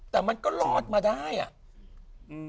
แต่มันก็รอดมาได้อ่ะอืม